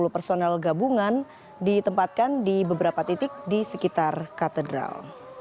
lima puluh personel gabungan ditempatkan di beberapa titik di sekitar katedral